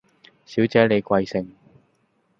小姐你貴姓